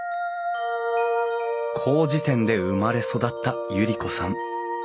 こうじ店で生まれ育った百合子さん。